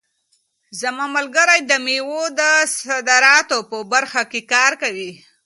زما ملګری د مېوو د صادراتو په برخه کې کار کوي.